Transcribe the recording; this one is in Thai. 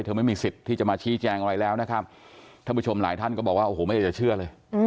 ไม่มีสิทธิ์ที่จะมาชี้แจงอะไรแล้วนะครับท่านผู้ชมหลายท่านก็บอกว่าโอ้โหไม่อยากจะเชื่อเลย